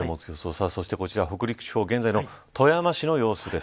こちら北陸地方現在の富山市の様子です。